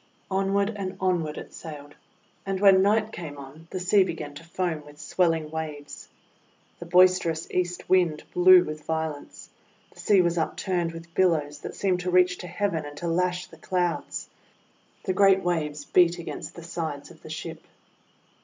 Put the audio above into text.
Onward and onward it sailed; and when night came on the sea began to foam with swel ling waves. The boisterous East Wind blew with violence. The sea was upturned with bil lows that seemed to reach to heaven and to lash the Clouds. The great waves beat against the sides of the ship.